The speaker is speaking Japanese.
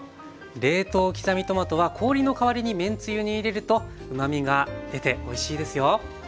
冷凍刻みトマトは氷の代わりにめんつゆに入れるとうまみが出ておいしいですよ。